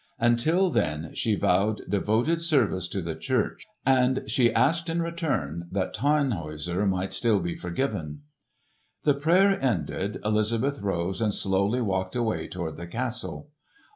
Until then she vowed devoted service to the church, and she asked in return that Tannhäuser might still be forgiven. The prayer ended, Elizabeth rose and slowly walked away toward the castle.